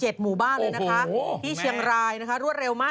แสงหน้าสวยเลยสวย